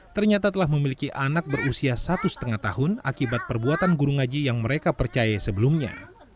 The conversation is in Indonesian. ternyata telah memiliki anak berusia satu lima tahun akibat perbuatan guru ngaji yang mereka percaya sebelumnya